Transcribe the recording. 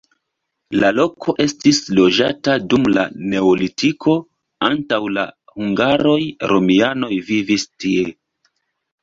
La loko estis loĝata dum la neolitiko, antaŭ la hungaroj romianoj vivis tie.